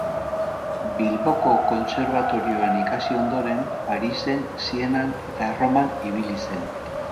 Bilboko kontserbatorioan ikasi ondoren, Parisen, Sienan eta Erroman ibili zen.